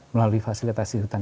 melalui fasilitasi hutan